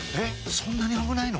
そんなに危ないの？